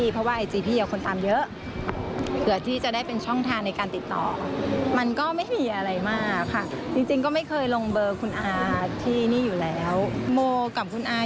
ไปเที่ยวยีปุ่นจ้า